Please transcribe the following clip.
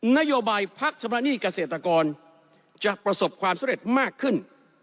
นโยบายพักชำระหนี้เกษตรกรจะประสบความสำเร็จมากขึ้น